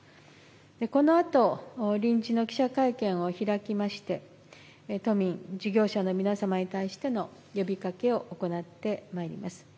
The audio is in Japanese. このあと、臨時の記者会見を開きまして、都民、事業者の皆様に対しての呼びかけを行ってまいります。